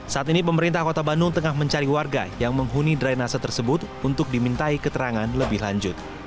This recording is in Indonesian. saat ini pemerintah kota bandung tengah mencari warga yang menghuni dry nasa tersebut untuk dimintai keterangan lebih lanjut